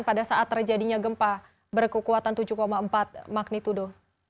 pada saat terjadinya gempa berkekuatan tujuh empat magnitudo